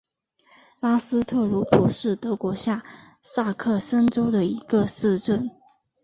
拉斯特鲁普是德国下萨克森州的一个市镇。